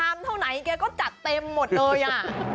ชามเท่านั้นไหนแจบเต็มหมดเลยอ่ะ